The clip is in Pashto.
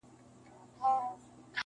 • په لستوڼي کي خنجر د رقیب وینم -